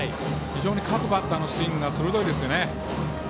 非常に各バッターのスイングが鋭いですよね。